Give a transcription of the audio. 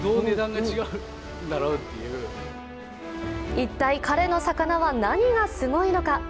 一体、彼の魚は何がすごいのか。